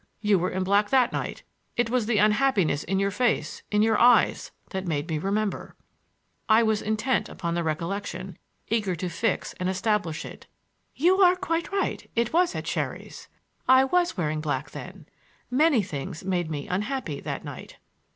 You were in black that night; it was the unhappiness in your face, in your eyes, that made me remember." I was intent upon the recollection, eager to fix and establish it. "You are quite right. It was at Sherry's. I was wearing black then; many things made me unhappy that night."